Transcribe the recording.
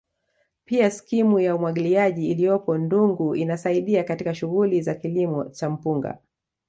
Pia skimu ya umwagiliaji iliyopo Ndungu inasaidia katika shughuli za kilimo cha mpunga